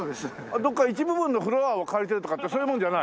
どっか一部分のフロアを借りてるとかってそういうもんじゃない？